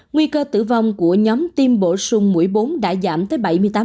nguy cơ tử vong của nhóm tiêm bổ sung mũi bốn đã giảm tới bảy mươi tám